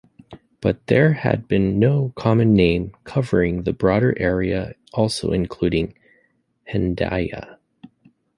But there had been no common name covering the broader area also including Hendaia.